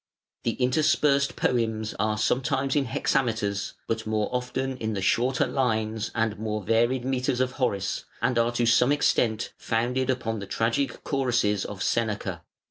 The interspersed poems are sometimes in hexameters, but more often in the shorter lines and more varied metres of Horace, and are to some extent founded upon the tragic choruses of Seneca.